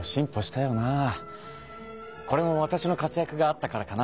これもわたしの活やくがあったからかな。